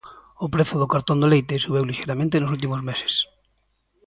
O prezo do cartón do leite subiu lixeiramente nos últimos meses.